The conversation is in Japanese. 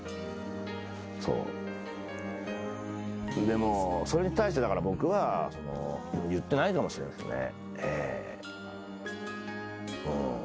でもそれに対してだから僕は言ってないかもしれないですね。